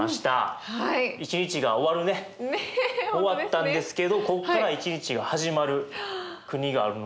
終わったんですけどここから一日が始まる国があるので。